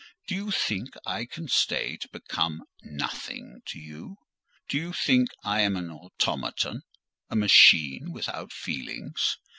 "Do you think I can stay to become nothing to you? Do you think I am an automaton?—a machine without feelings?